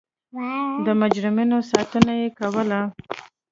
د مجرمینو ساتنه یې کوله.